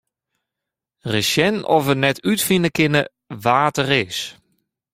Ris sjen oft wy net útfine kinne wa't er is.